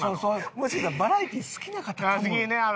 もしかしたらバラエティー好きな方かも。